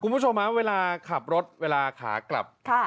คุณผู้ชมฮะเวลาขับรถเวลาขากลับ